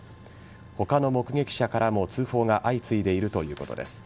他の目撃者からも通報が相次いでいるということです。